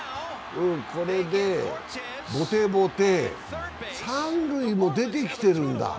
これでボテボテ、三塁も出てきてるんだ。